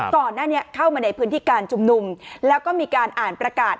ก่อนหน้านี้เข้ามาในพื้นที่การชุมนุมแล้วก็มีการอ่านประกาศ